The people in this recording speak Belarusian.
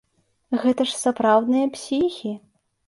Гэта ж сапраўдныя псіхі!